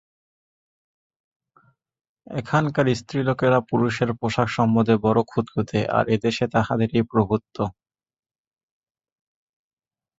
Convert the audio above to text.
এখানকার স্ত্রীলোকেরা পুরুষের পোষাক সম্বন্ধে বড় খুঁতখুঁতে, আর এদেশে তাহাদেরই প্রভুত্ব।